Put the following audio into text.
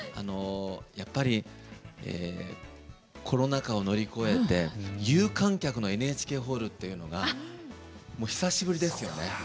やっぱり、コロナ禍を乗り越えて有観客のＮＨＫホールというのが久しぶりですよね。